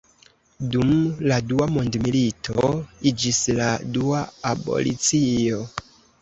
Dum la Dua mondmilito iĝis la dua abolicio.